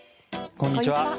こんにちは。